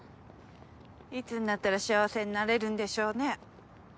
いつになったら幸せになれるんでしょうね。